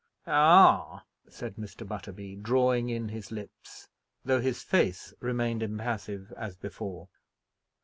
"Ah!" said Mr. Butterby, drawing in his lips, though his face remained impassive as before.